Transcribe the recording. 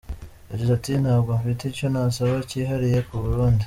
Yagize ati “Ntabwo mfite icyo nasaba cyihariye k’u Burundi.